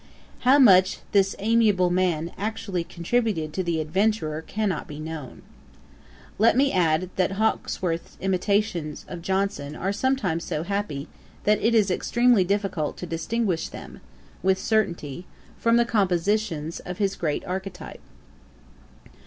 How much this amiable man actually contributed to The Adventurer, cannot be known. Let me add, that Hawkesworth's imitations of Johnson are sometimes so happy, that it is extremely difficult to distinguish them, with certainty, from the compositions of his great archetype.